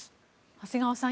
長谷川さん